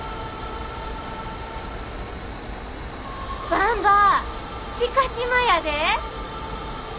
ばんば知嘉島やで！